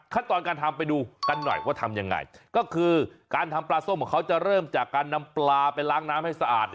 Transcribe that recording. ตอนการทำไปดูกันหน่อยว่าทำยังไงก็คือการทำปลาส้มของเขาจะเริ่มจากการนำปลาไปล้างน้ำให้สะอาด